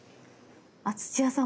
土屋さん